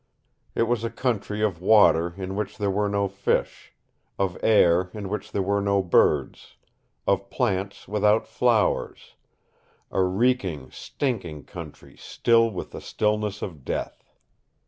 It was a country of water in which there were no fish, of air in which there were no birds, of plants without flowers a reeking, stinking country still with the stillness of death.